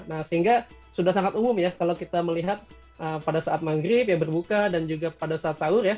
nah sehingga sudah sangat umum ya kalau kita melihat pada saat maghrib ya berbuka dan juga pada saat sahur ya